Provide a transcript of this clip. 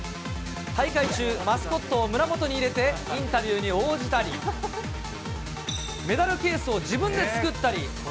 大会中、マスコットを胸元に入れて、インタビューに応じたり、メダルケースを自分で作ったり。